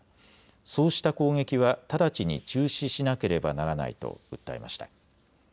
そうした攻撃は直ちに中止しなければならないと訴えました。